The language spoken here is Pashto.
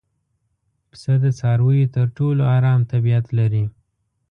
پسه د څارویو تر ټولو ارام طبیعت لري.